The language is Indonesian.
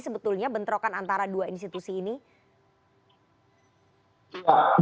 sebetulnya bentrokan antara dua institusi ini